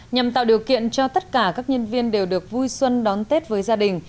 nhằm tạo điều kiện cho tất cả các nhân viên đều được vui xuân đón tết với gia đình